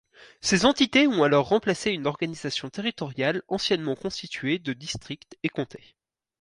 Ces entités ont alors remplacé une organisation territoriale anciennement constituée de districts et comtés.